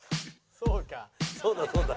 そうだそうだ。